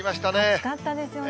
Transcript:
暑かったですよね。